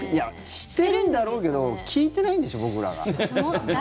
してるんだろうけど聞いてないんでしょ、僕らが。